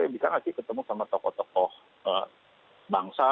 bisa nggak sih ketemu sama tokoh tokoh bangsa